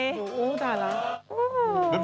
อยู๋จาดร้า